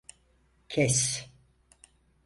Kes!